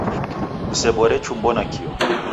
Kusebore chumbo nakio.